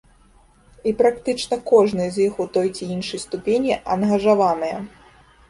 І практычна кожная з іх у той ці іншай ступені ангажаваная.